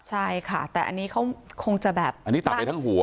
ใช่ค่ะแต่อันนี้เขาคงจะแบบอันนี้ตับไปทั้งหัว